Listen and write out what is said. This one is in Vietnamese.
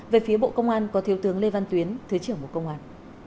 về phía bộ công an có thiếu tướng lê văn tuyến thứ trưởng bộ công an